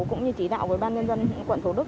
cũng như chỉ đạo của ủy ban nhân dân quận thủ đức